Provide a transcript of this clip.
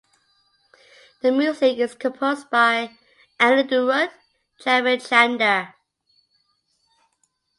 The music is composed by Anirudh Ravichander.